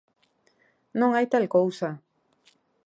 Non hai tal cousa.